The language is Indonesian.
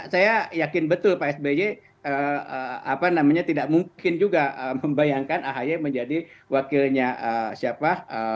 saya yakin betul pak sby tidak mungkin juga membayangkan ahy menjadi wakilnya siapa